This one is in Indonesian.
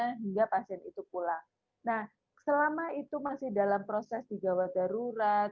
sehingga pasien itu pulang nah selama itu masih dalam proses di gawat darurat